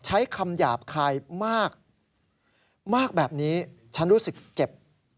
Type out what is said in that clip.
ใช้คำหยาบคายมากมากแบบนี้ฉันรู้สึกเจ็บ